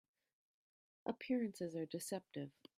Appearances are deceptive.